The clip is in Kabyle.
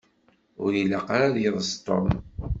Ur ilaq ara ad d-iḍes Tom.